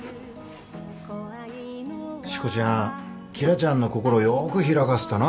しこちゃん紀來ちゃんの心をよく開かせたな。